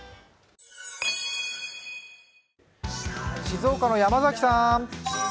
静岡の山崎さん。